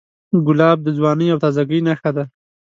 ګلاب د ځوانۍ او تازهګۍ نښه ده.